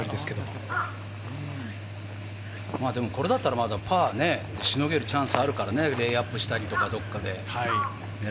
これだったら、まだパー、しのげるチャンスはあるからね、レイアップしたりとか、どっかでね。